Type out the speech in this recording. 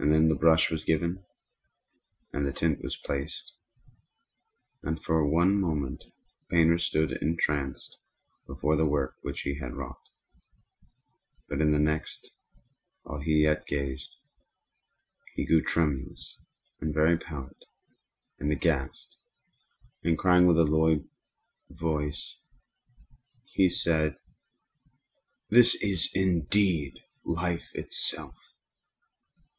And then the brush was given, and then the tint was placed; and, for one moment, the painter stood entranced before the work which he had wrought; but in the next, while he yet gazed, he grew tremulous and very pallid, and aghast, and crying with a loud voice, 'This is indeed Life itself!